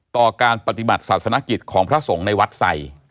ต่อการปฏิบัติศาสนกิจของพระสงฆ์ในวัดใส่